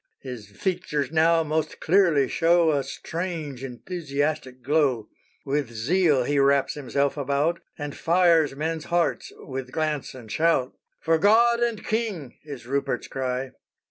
_" His features now most clearly show A strange, enthusiastic glow. With zeal he wraps himself about, And fires men's hearts with glance and shout. "For God and king," is Rupert's cry.